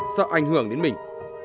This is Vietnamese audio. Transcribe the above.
sợ ảnh hưởng đến mình